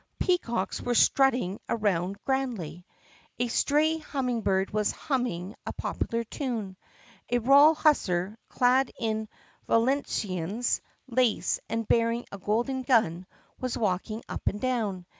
Peacocks were strutting around grandly. A THE PUSSYCAT PRINCESS 65 stray humming bird was humming a popular tune. A royal hussar, clad in Valenciennes lace and bearing a golden gun, was walking up and down.